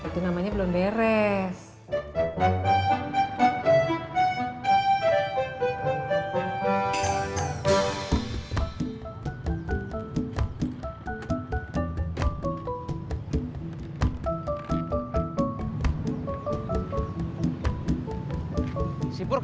dan yang terakhir